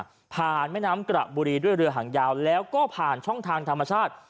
ผ่านแม่น้ำกระบุรีด้วยเรือหางยาวแล้วก็ผ่านช่องทางธรรมชาติ